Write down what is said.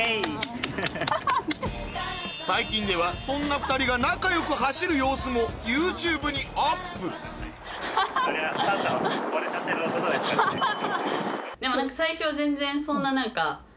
最近ではそんな２人が仲良く走る様子もＹｏｕＴｕｂｅにアップって言ってます。